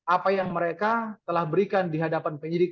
apa yang mereka telah berikan di hadapan penyidik